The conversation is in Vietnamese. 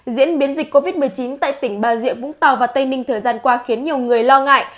diễn biến dịch covid một mươi chín tại tỉnh bà rịa vũng tàu và tây ninh thời gian qua khiến nhiều người lo ngại